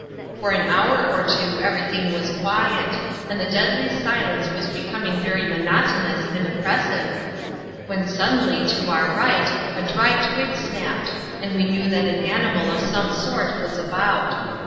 For an hour or two everything was quiet, and the deadly silence was becoming very monotonous and oppressive, when suddenly, to our right, a dry twig snapped, and we knew that an animal of some sort was about.